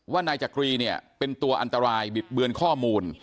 ว่านายจักรีเป็นตัวอันตรายบิดเบือนข้อมูล